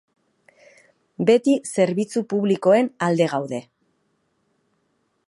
Beti zerbitzu publikoen alde gaude.